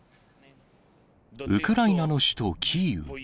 ウクライナの首都キーウ。